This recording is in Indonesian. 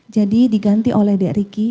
jadi diganti oleh d riki